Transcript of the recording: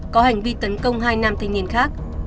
có hành vi tấn công hai nam thanh niên khác